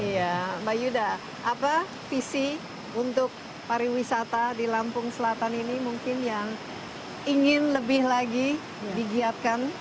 iya mbak yuda apa visi untuk pariwisata di lampung selatan ini mungkin yang ingin lebih lagi digiatkan